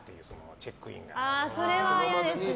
チェックインが。